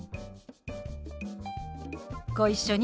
ご一緒に。